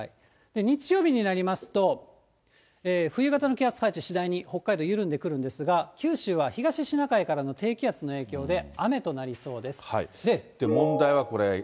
日曜日になりますと、冬型の気圧配置、次第に北海道緩んでくるんですが、九州は東シナ海からの低問題はこれ。